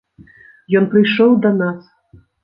Ён прыйшоў да нас.